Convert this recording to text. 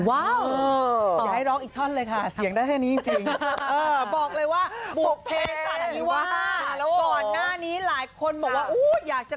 อะไรจ้ะ